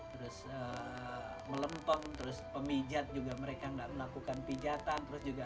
terus melempeng terus pemijat juga mereka enggak melakukan pijatan